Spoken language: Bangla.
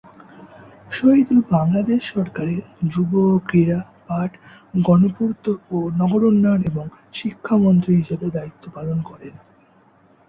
শহীদুল বাংলাদেশ সরকারের যুব ও ক্রীড়া, পাট, গণপূর্ত ও নগর উন্নয়ন এবং শিক্ষা মন্ত্রী হিসেবে দায়িত্ব পালন করেন।